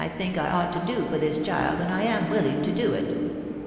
think I ought to do for this child, and 1 am willing to do it.